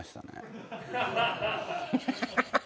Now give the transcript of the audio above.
ハハハハ。